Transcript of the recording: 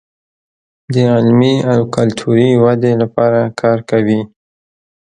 د علمي او کلتوري ودې لپاره کار کوي.